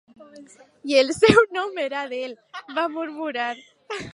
"I el seu nom era Adele", va murmurar.